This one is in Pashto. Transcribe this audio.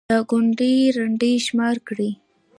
دا كونـډې رنـډې شمار كړئ